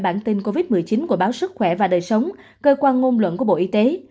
bản tin covid một mươi chín của báo sức khỏe và đời sống cơ quan ngôn luận của bộ y tế